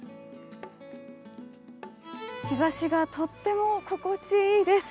日ざしがとっても心地いいです。